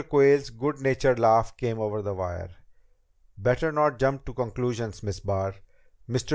Quayle's good natured laugh came over the wire. "Better not jump to conclusions, Miss Barr. Mr.